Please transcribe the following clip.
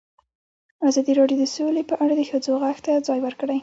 ازادي راډیو د سوله په اړه د ښځو غږ ته ځای ورکړی.